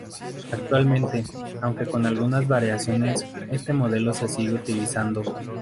Actualmente, aunque con algunas variaciones, este modelo se sigue utilizando.